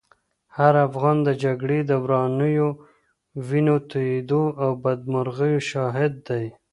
هر افغان د جګړې د ورانیو، وینو تویېدو او بدمرغیو شاهد دی.